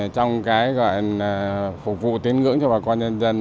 trong phục vụ tiến ngưỡng cho bà con nhân dân